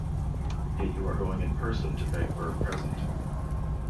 Yet you are going in person to beg for a present.